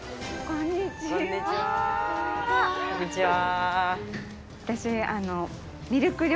こんにちは。